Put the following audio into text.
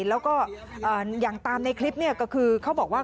แล้วก็อย่างตามในคลิปก็คือเขาบอกว่า